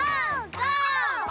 ゴー！